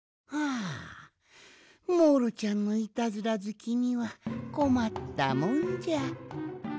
あモールちゃんのイタズラずきにはこまったもんじゃ。